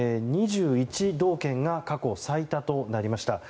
道県が過去最多となりました。